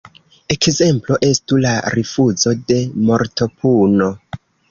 Ekzemplo estu la rifuzo de mortopuno.